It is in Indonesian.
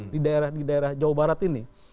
di daerah jawa barat ini